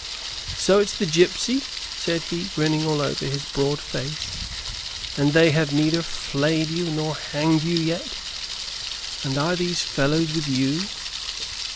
"So it's the gipsy?" said he, grinning all over his broad face. "And they have neither flayed you nor hanged you yet? And are these fellows with you?"